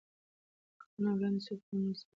کلونه وړاندې سوپرنووا ځمکې ته نږدې انفجار کړی وي.